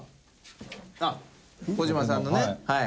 あっ児嶋さんのねはい。